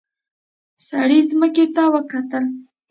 سړي ځمکې ته وکتل.